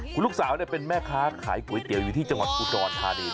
คุณลูกสาวเป็นแม่ค้าขายก๋วยเตี๋ยวอยู่ที่จังหวัดอุดรธานี